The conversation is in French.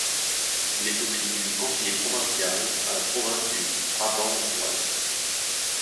Il est aussi élu conseiller provincial à la province du Brabant Wallon.